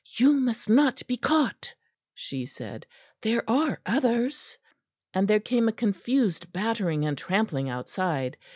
"You must not be caught," she said, "there are others"; and there came a confused battering and trampling outside.